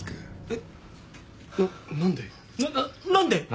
えっ何で？